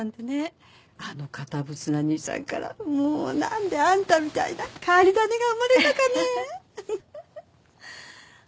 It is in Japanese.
あの堅物な兄さんからもうなんであんたみたいな変わり種が生まれたかね。